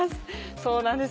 そうなんです。